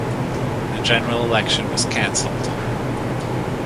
The general election was canceled.